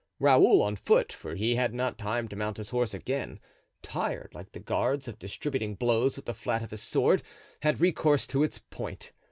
Raoul, on foot, for he had not time to mount his horse again, tired, like the guards, of distributing blows with the flat of his sword, had recourse to its point.